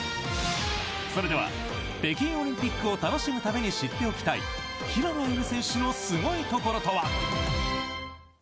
それでは、北京オリンピックを楽しむために知っておきたい平野歩夢選手のすごいところとは？